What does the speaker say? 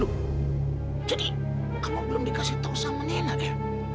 loh jadi kamu belum dikasih tau sama nela ya